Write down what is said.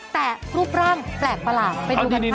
แต่รูปร่างแปลกประหลาดไปดูกันค่ะ